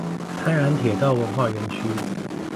泰安鐵道文化園區